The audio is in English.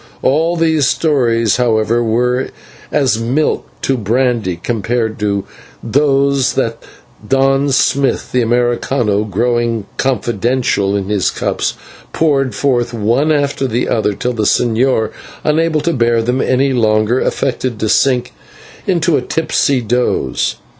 All these stories, however, were as milk to brandy compared to those that Don Smith, the /Americano/, growing confidential in his cups, poured forth one after the other, till the señor, unable to bear them any longer, affected to sink into a tipsy doze.